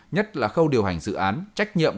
nhất là khâu điều hành dự án trách nhiệm